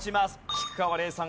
菊川怜さん